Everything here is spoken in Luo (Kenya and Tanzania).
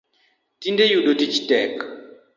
Tinde yudo tich tek